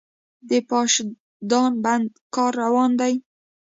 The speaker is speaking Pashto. د پاشدان بند کار روان دی؟